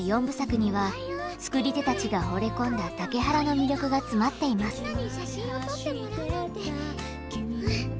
４部作には作り手たちがほれ込んだ竹原の魅力が詰まっています。